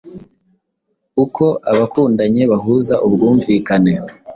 Uko abakundanye bahuza ubwumvikane